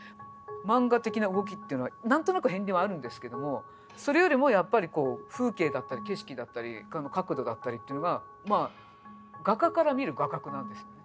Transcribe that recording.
漫画的な動きっていうのは何となく片りんはあるんですけどもそれよりもやっぱりこう風景だったり景色だったり角度だったりっていうのがまあ画家から見る画角なんですよね。